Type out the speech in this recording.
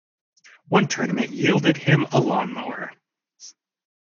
One tournament yielded him a lawnmower.